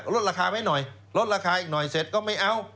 ลดราคาไว้หน่อยลดราคาอีกหน่อยเสร็จก็ไม่เอา